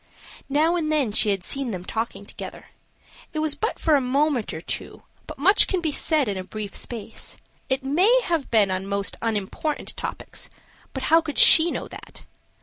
Now and then she had seen them talking together; it was but for a moment or two, but much can be said in a brief space; it may have been on most unimportant topics, but how could she know that?